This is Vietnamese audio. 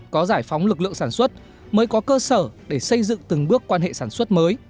có giải phóng lực lượng sản xuất mới có cơ sở để xây dựng từng bước quan hệ sản xuất mới